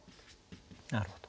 なるほど。